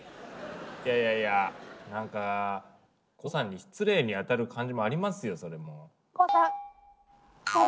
いやいやいやなんか胡さんに失礼に当たる感じもありますよ。